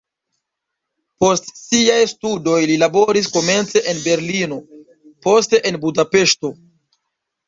Post siaj studoj li laboris komence en Berlino, poste en Budapeŝto.